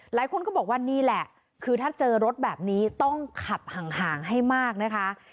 หลายคนก็บอกว่านี่แหละคือถ้าเจอรถแบบนี้ต้องขับห่างให้มากนะคะ